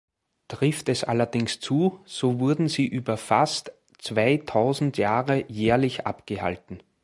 Trifft es allerdings zu, so wurden sie über fast zweitausend Jahre jährlich abgehalten.